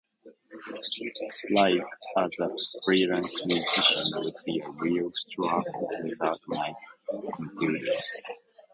life as a freelance musician would be a real struggle without my computers.